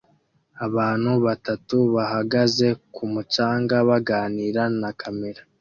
Abantu batatu bahagaze ku mucanga baganira na kamera